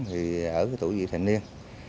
thì ở tuổi dịp thành niên